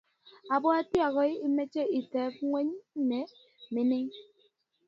Abwati agoi imech iteb ngweny ne mingin